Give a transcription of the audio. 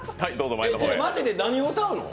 マジで何を歌うの？